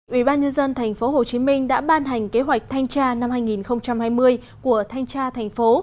ủy ban nhân dân tp hcm đã ban hành kế hoạch thanh tra năm hai nghìn hai mươi của thanh tra thành phố